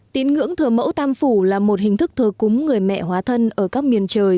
tín ngưỡng thờ mẫu tam phủ là một hình thức thờ cúng người mẹ hóa thân ở các miền trời